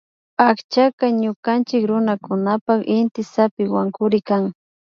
Akchaka ñukanchik runakunapan inty zapiwankurik kan